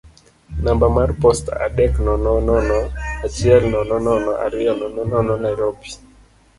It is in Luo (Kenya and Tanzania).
namba mar posta adek nono nono achiel nono nono ariyo nono nono Nairobi.